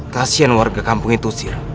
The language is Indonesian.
kasian warga kampung itu sir